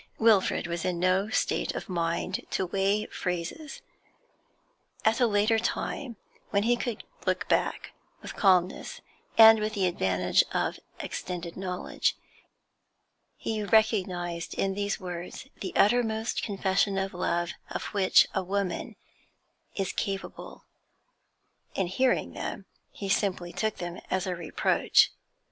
Wilfrid was in no state of mind to weigh phrases; at a later time, when he could look back with calmness, and with the advantage of extended knowledge, he recognised in these words the uttermost confession of love of 'which a woman is capable. In hearing them, he simply took them as a reproach.